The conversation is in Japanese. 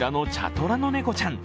トラの猫ちゃん。